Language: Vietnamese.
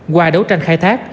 qua đấu tranh khai thác